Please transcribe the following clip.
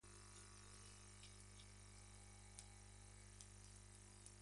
El sexo de este individuo es aún desconocido.